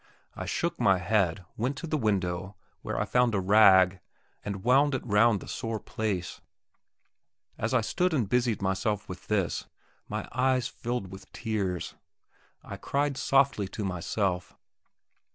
I shook my head, went to the window, where I found a rag, and wound it round the sore place. As I stood and busied myself with this, my eyes filled with tears; I cried softly to myself.